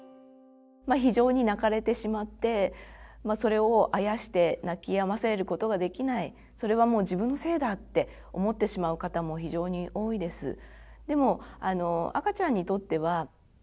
非常に泣かれてしまってそれをあやして泣きやませることができないそれはもう自分のせいだって思ってしまう方も非常に多いです。